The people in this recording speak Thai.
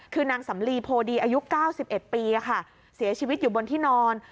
คือนางสำลีโพดีอายุ๙๑ปีเสียชีวิตอยู่บนที่นอน